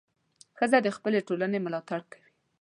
ښځه د خپلې ټولنې ملاتړ کوي.